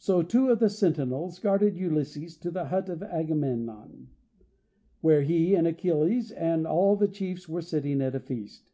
So two of the sentinels guarded Ulysses to the hut of Agamemnon, where he and Achilles and all the chiefs were sitting at a feast.